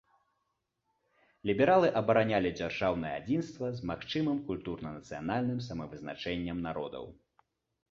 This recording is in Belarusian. Лібералы абаранялі дзяржаўнае адзінства з магчымым культурна-нацыянальным самавызначэннем народаў.